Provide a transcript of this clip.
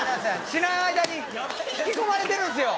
知らん間に引き込まれてるんですよ！